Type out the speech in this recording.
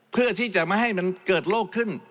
เพื่อที่จะไม่ให้มันเกิดโรคขึ้น